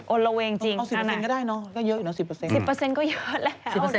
โอนเราเองจริงอันนั้นแหละอ๋อโหเอา๑๐เปอร์เซ็นต์ก็ได้เนอะ